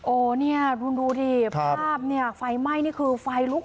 โอ้เนี่ยคุณดูดิภาพเนี่ยไฟไหม้นี่คือไฟลุก